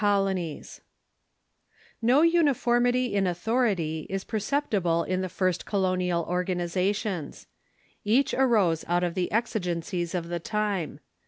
] No uniformity in authority is perceptible in the first colo nial organizations. Each arose out of the exigencies of the time.